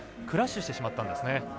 クラッシュしてしまったんですね。